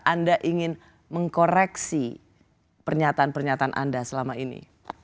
anda ingin mengkoreksi pernyataan pernyataan anda selama ini